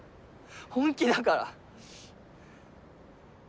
本気だから。